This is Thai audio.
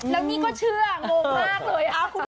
แล้วนี่ก็เชื่อโง่มากเลย